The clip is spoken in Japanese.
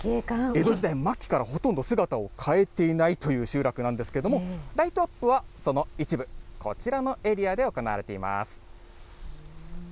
江戸時代末期からほとんど姿を変えていないという集落なんですけれども、ライトアップはその一部、こちらのエリアで行われています。